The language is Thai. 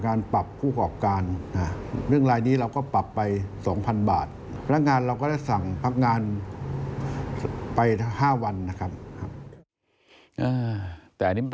แต่มันก็มีเรื่องทางอาญาทำร้ายร่างกายอะไรแบบนี้ด้วย